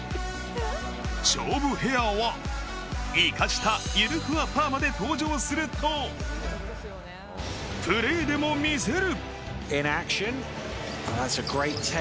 勝負ヘアは、イカしたゆるふわパーマで登場すると、プレーでも見せる。